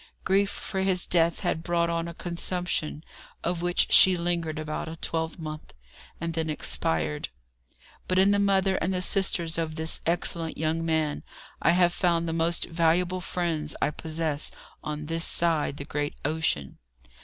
Grief for his death had brought on a consumption, of which she lingered about a twelvemonth, and then expired. But in the mother and the sisters of this excellent young man I have found the most valuable friends I possess on this side the great ocean.